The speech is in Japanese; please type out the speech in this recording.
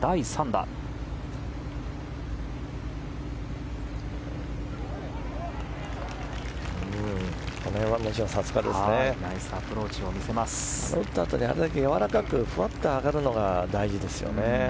打ったあとにあれだけやわらかくふわっと上がるのが大事ですよね。